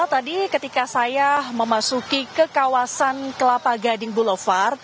tadi ketika saya memasuki ke kawasan kelapa gading boulevard